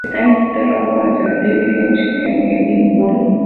Está enterrado en el Cementerio Greyfriars en Edimburgo.